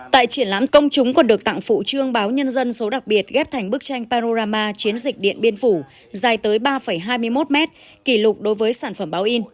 tại triển lãm công chúng còn được tặng phụ trương báo nhân dân số đặc biệt ghép thành bức tranh parama chiến dịch điện biên phủ dài tới ba hai mươi một mét kỷ lục đối với sản phẩm báo in